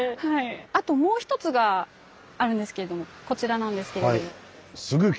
あともう一つがあるんですけれどもこちらなんですけれども。